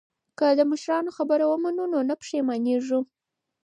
که د مشرانو خبره ومنو نو نه پښیمانیږو.